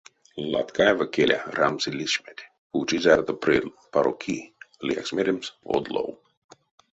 Латкаева, келя, рамси лишметь, учи, зярдо пры паро ки, лиякс меремс, од лов.